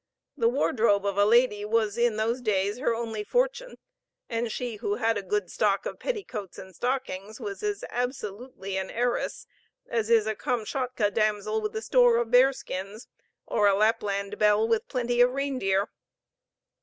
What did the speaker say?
The wardrobe of a lady was in those days her only fortune; and she who had a good stock of petticoats and stockings was as absolutely an heiress as is a Kamschatka damsel with a store of bear skins, or a Lapland belle with a plenty of reindeer.